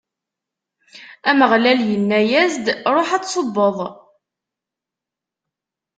Ameɣlal inna-as-d: Ṛuḥ ad tṣubbeḍ!